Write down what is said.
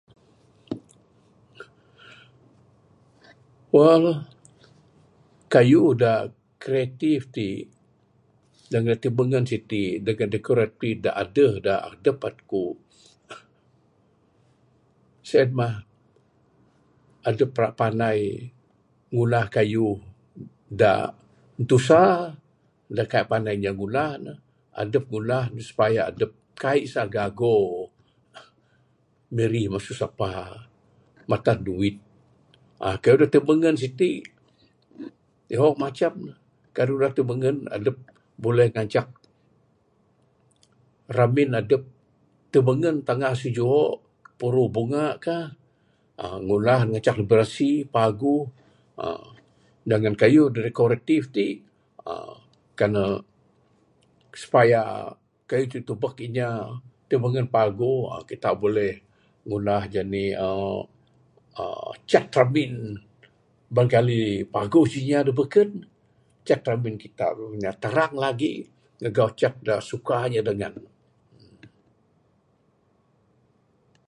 Wang kayuh da' kreatif tik, dengan timungun sitik. Kuk rati da aduh da' adup akuk. Sien mah, adup rak pandai ngundah kayuh da' ntusa, da' kaik pandai nya ngundah ne supaya adup kaik sah gago mirih masu sapa', matan duit. uhh Kayuh da' timungun siti' ihong macam. Kan rak timungun adup buleh ngancak ramin adup timungun tanggah su juho'. Puruh bungak kah. uhh Ngundah ngancak ne birasi, paguh. uhh Dengan kayuh da dekoratif tik, uhh kan ne supaya kayuh tik tebuk inya timungun paguh. uhh Kitak buleh ngundah jani' uhh uhh cat ramin bangkali paguh su nya da bekun. Cat ramin kitak nya tarang lagik. Ngagu cat dak suka nya dengan ne.